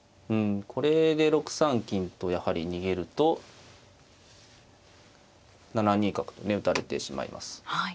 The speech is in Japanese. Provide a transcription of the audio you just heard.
うんこれで６三金とやはり逃げると７二角とね打たれてしまいます。